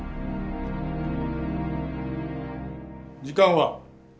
時間は？